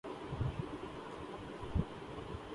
انہوں نے اس کو مخبری کا کام دے دیا